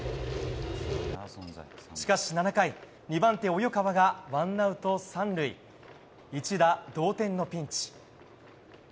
しかし７回、２番手、及川がワンアウト３塁一打同点のピンチ。